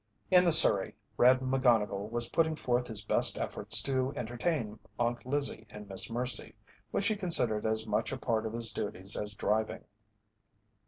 In the surrey "Red" McGonnigle was putting forth his best efforts to entertain Aunt Lizzie and Miss Mercy, which he considered as much a part of his duties as driving.